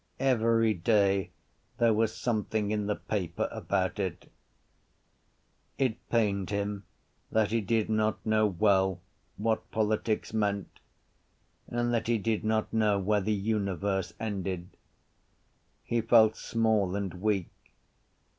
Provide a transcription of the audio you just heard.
Every day there was something in the paper about it. It pained him that he did not know well what politics meant and that he did not know where the universe ended. He felt small and weak.